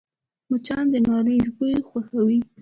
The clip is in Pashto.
مچان د نارنج بوی خوښوي